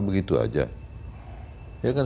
begitu saja ya kan